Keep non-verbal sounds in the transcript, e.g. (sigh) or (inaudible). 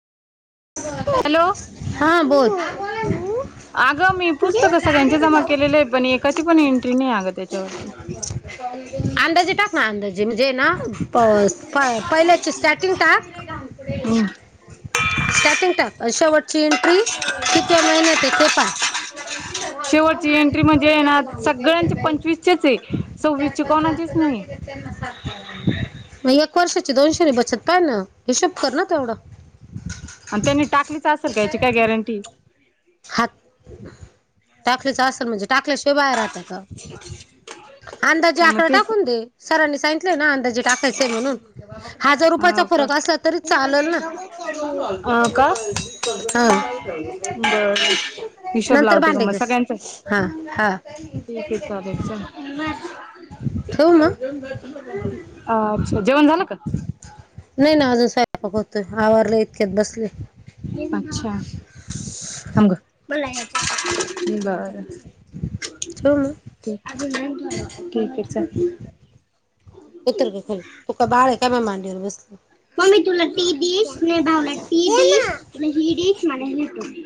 Hello. हा बोल. अगं मी पुस्तक सगळ्यांच्या जमा केलेले आहे पण एकाची पण एंट्री नाही अगं त्याच्यावरती. अंदाजे टाक ना अंदाजे म्हणजे ना पाऊस प पहिल्याची स्टार्टिंग टाक हम्म. स्टार्टिंग टाक शेवटची एंट्री कितव्या महिन्यात आहे ते पाहाय. ह शेवटची एंट्री म्हणजे आहे ना सगळ्यांचे पंचवीस चेच आहे सव्वीस चे कोणाचीच नाहीये. म एक वर्षाची दोनशे री बचत काढ ना हिशोब कर ना तेवढं. आणि त्यांनी टाकलीच असेल काय याची काय गॅरंटी? हात टाकलेच असेल म्हणजे टाकल्याशिवाय बाहेर हात. त्या का अंदाजे मग आकडा तेच टाकून दे. सरांनी सांगितलंय ना अंदाजे टाकायचेय म्हणून. हजार रुपयाचा फरक असला तरी हो चालेल ना. का अ का हां. बर हिशोब नंतर लावते का भांडे मग घस सगळ्यांच हा हा. ठीक आहे चालेल चल ठेवू मग? अच्छा जेवण झालं का ते ना अजून स्वयंपक होतोय आवारलो इतक्यात बसले. अच्छा थांब गं बरं. ठेवू मग ते ठीक आहे चल. इतर बी खरं तू का बाळ आहे का माय मांडीवर बसली. (unintelligible)